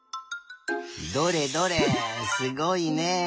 どれどれすごいね。